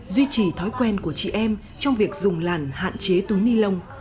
duy trì thói quen của chị em trong việc dùng làn hạn chế túi ni lông